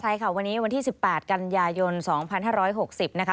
ใช่ค่ะวันนี้วันที่๑๘กันยายน๒๕๖๐นะคะ